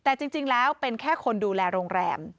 แต่จริงแล้วเป็นแค่คนดูแลโรงแรม